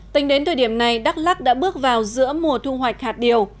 tính đến thời điểm này đắk lắc đã bước vào giữa mùa thu hoạch hạt điều